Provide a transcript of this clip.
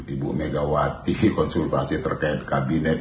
ibu megawati konsultasi terkait kabinet